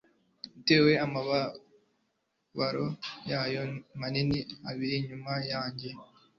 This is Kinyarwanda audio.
Yateye amababa yayo manini abiri inyuma yanjye